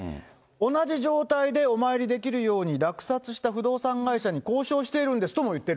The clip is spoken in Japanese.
同じ状態でお参りできるように落札した不動産会社に交渉しているただ。